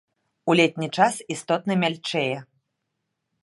У летні час істотна мяльчэе.